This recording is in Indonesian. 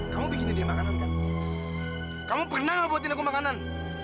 kamu bikin ini makanan kan kamu pernah buatin aku makanan